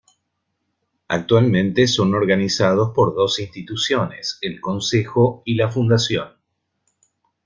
Actualmente son organizados por dos instituciones: el consejo, y la fundación.